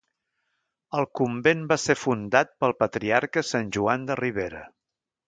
El convent va ser fundat pel patriarca Sant Joan de Ribera.